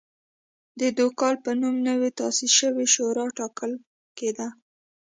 د دوکال په نوم نوې تاسیس شوې شورا ټاکل کېده